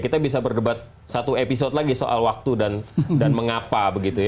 kita bisa berdebat satu episode lagi soal waktu dan mengapa